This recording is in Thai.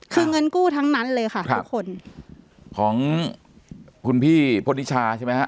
คือเงินกู้ทั้งนั้นเลยค่ะทุกคนของคุณพี่พนิชาใช่ไหมฮะ